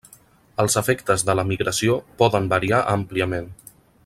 Els efectes de la migració poden variar àmpliament.